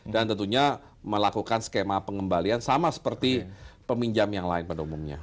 dan tentunya melakukan skema pengembalian sama seperti peminjam yang lain pada umumnya